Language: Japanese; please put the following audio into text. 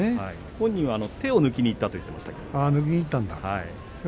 本人は手を抜きにいったと言っていましたね。